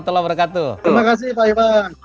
terima kasih pak iwan